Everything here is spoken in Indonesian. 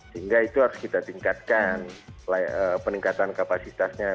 sehingga itu harus kita tingkatkan peningkatan kapasitasnya